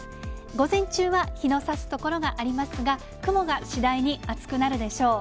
午前中は日のさす所がありますが、雲が次第に厚くなるでしょう。